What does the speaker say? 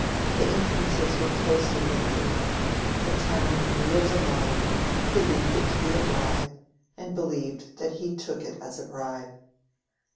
The inferences were closely linked enough; the town knew of the loan, believed it to be a bribe, and believed that he took it as a bribe.